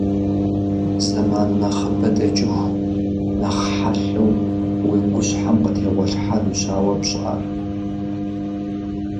Зэман нэхъыбэ дэкӀыху нэхъ хьэлъэу уи гущхьэм къытегъуэлъхьэнущ а уэ пщӀар.